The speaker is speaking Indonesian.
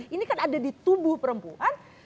ini kan ada di tubuh perempuan